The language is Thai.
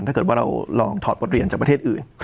ถ้าเกิดว่าเราลองถอดประเทศอื่น